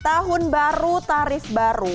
tahun baru tarif baru